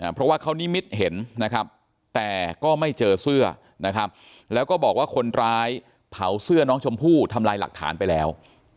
เพราะว่าเขานิมิตเห็นนะครับแต่ก็ไม่เจอเสื้อนะครับแล้วก็บอกว่าคนร้ายเผาเสื้อน้องชมพู่ทำลายหลักฐานไปแล้ว